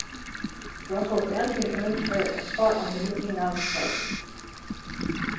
Russell's dancing earned her a spot on The Mickey Mouse Club.